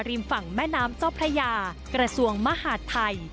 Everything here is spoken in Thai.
ฝั่งแม่น้ำเจ้าพระยากระทรวงมหาดไทย